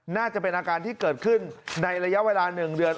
น่าจะเป็นอาการที่เกิดขึ้นในระยะเวลา๑เดือน